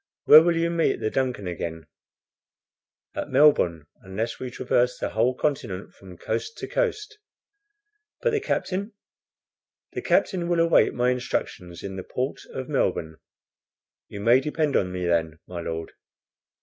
"Where will you meet the DUNCAN again?" "At Melbourne, unless we traverse the whole continent from coast to coast." "But the captain?" "The captain will await my instructions in the port of Melbourne." "You may depend on me then, my Lord."